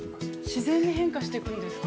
◆自然に変化してくんですか。